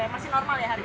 masih normal ya harganya